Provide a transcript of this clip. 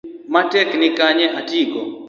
Yuech matek nikanye atigo?